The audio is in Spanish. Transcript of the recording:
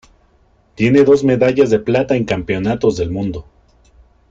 Tiene dos medallas de plata en Campeonatos del Mundo.